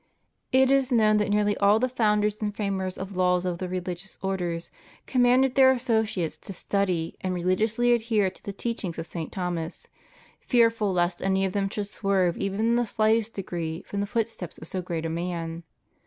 It is known that nearly all the founders and framers of laws of the religious orders commanded their associates to study and religiously adhere to the teachings of St. Thomas, fearful lest any of them should swerve even in the sUghtest degree from the footsteps of so great a man.